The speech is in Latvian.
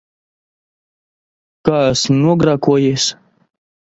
Kā esmu nogrēkojies?